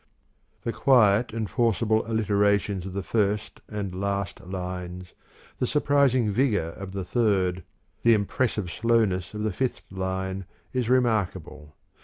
The quiet and forcible alliterations of the first and last lines, the surprising vigour of the third, the impressive slowness of the fifth line is remarkable.